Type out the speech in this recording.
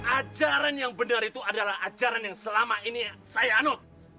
ajaran yang benar itu adalah ajaran yang selama ini saya anut